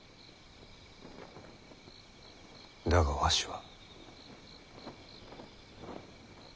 だがわしは。